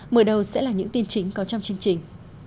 mở đầu sẽ là những tin chính có trong chương trình